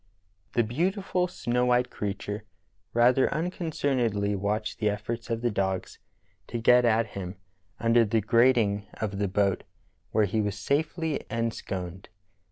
The beautiful snow white creature rather unconcernedl}^ watched the eflPorts of the dogs to get at him under the grating of the boat where he was safely ensconced.